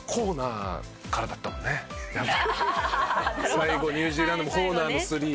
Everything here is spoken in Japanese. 最後ニュージーランドもコーナーのスリーで。